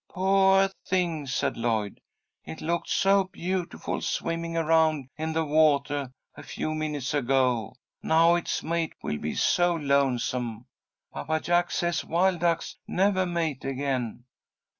"Poah thing," said Lloyd. "It looked so beautiful swimming around in the watah a few minutes ago. Now it's mate will be so lonesome. Papa Jack says wild ducks nevah mate again.